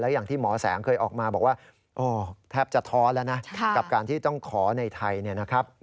อย่างที่หมอแสงเคยออกมาบอกว่าแทบจะท้อแล้วนะกับการที่ต้องขอในไทยเนี่ยนะครับ